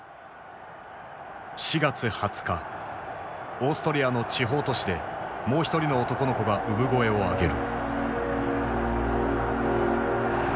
オーストリアの地方都市でもう一人の男の子が産声を上げる。